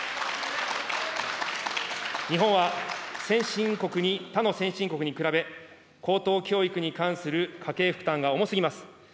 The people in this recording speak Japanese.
日本は先進国に、他の先進国に比べ、高等教育に関する家計負担が重すぎます。